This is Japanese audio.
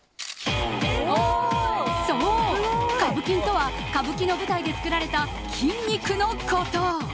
そう、カブキンとは歌舞伎の舞台で作られた筋肉のこと。